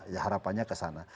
ya harapannya ke sana